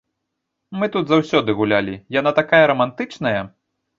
Мы тут заўсёды гулялі, яна такая рамантычная.